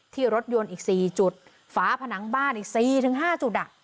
ที่รถยนต์อีกสี่จุดฝาผนังบ้านอีกสี่ถึงห้าจุดอ่ะ